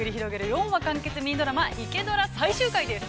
４話完結ミニドラマ「イケドラ」最終回です。